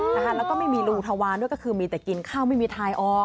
แล้วก็ไม่มีรูทวารด้วยก็คือมีแต่กินข้าวไม่มีทายออก